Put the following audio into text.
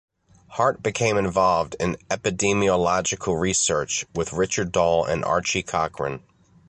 Hart became involved in epidemiological research, with Richard Doll and Archie Cochrane.